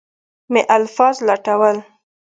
مې الفاظ لټول.